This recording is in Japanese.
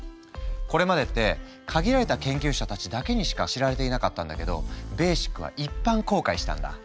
これまでって限られた研究者たちだけにしか知られていなかったんだけどベーシックは一般公開したんだ。